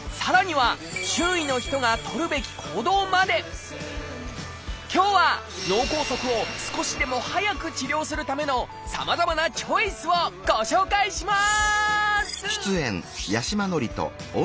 さらには今日は脳梗塞を少しでも早く治療するためのさまざまなチョイスをご紹介します！